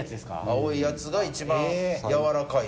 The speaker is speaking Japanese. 青いやつが一番やわらかいと。